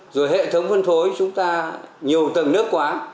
rồi hệ thống phân thối chúng ta nhiều tầng nước quá